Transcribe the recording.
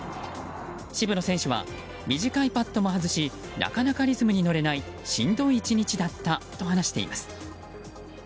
渋野選手は短いパットも外しなかなかリズムに乗れないしんどい１日だったと話しています。